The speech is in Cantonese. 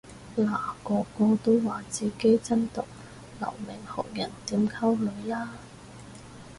嗱個個都話自己真毒留名學人點溝女啦